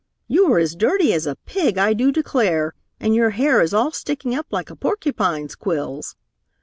You are as dirty as a pig, I do declare, and your hair is all sticking up like a porcupine's quills."